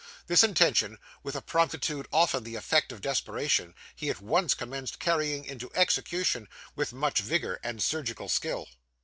This intention, with a promptitude often the effect of desperation, he at once commenced carrying into execution, with much vigour and surgical skill.